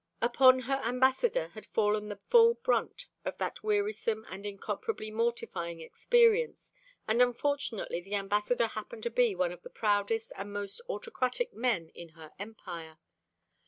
Upon her ambassador had fallen the full brunt of that wearisome and incomparably mortifying experience, and unfortunately the ambassador happened to be one of the proudest and most autocratic men in her empire.